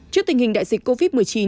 trước tình hình đại dịch covid một mươi chín